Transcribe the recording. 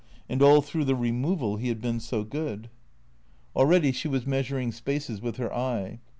And all through the removal he had been so good. Already she was measuring spaces with her eye.